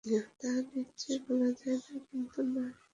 তাহা নিশ্চয় বলা যায় না-কিন্তু না–কিছুতেই না, না, না, না।